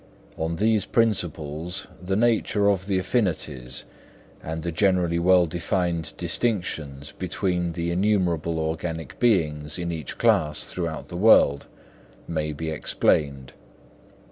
On these principles, the nature of the affinities, and the generally well defined distinctions between the innumerable organic beings in each class throughout the world, may be explained.